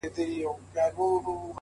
ه ياره په ژړا نه کيږي”